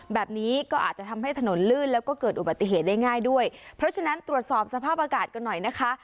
แบบนี้ก็อาจจะทำให้ถนนลื่นแล้วก็เกิดอุบัติเหตุได้ง่ายด้วยเพราะฉะนั้นตรวจสอบสภาพอากาศกันหน่อยนะคะ